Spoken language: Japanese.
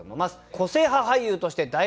個性派俳優として大活躍